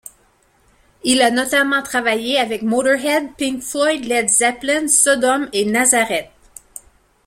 Il a notamment travaillé avec Motörhead, Pink Floyd, Led Zeppelin, Sodom et Nazareth.